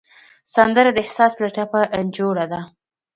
سندره د احساس له ټپه جوړه ده